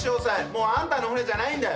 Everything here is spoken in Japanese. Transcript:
もうあんたの船じゃないんだよ。